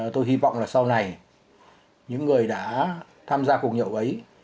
tôi hy vọng là sau này những người đã tham gia cuộc nhậu ấy